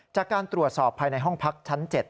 จากการตรวจสอบภายในห้องพักชั้น๗